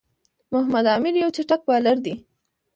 محمد عامِر یو چټک بالر دئ.